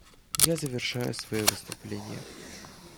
Я завершаю свое выступление.